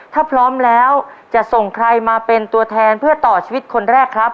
ถ้าพร้อมแล้วจะส่งใครมาเป็นตัวแทนเพื่อต่อชีวิตคนแรกครับ